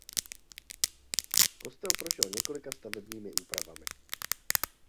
Kostel prošel několika stavebními úpravami.